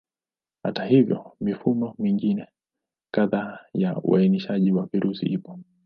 Hata hivyo, mifumo mingine kadhaa ya uainishaji wa virusi ipo.